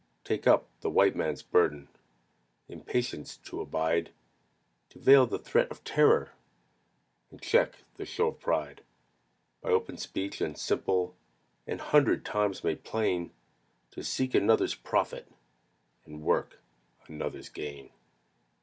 Take up the White Man's burden In patience to abide, To veil the threat of terror And check the show of pride; By open speech and simple, An hundred times made plain, To seek another's profit, And work another's gain.